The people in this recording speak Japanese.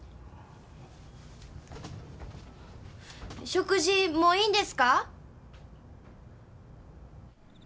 食事もういいんですか？